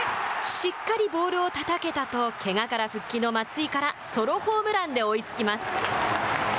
「しっかりボールをたたけた」とけがから復帰の松井からソロホームランで追いつきます。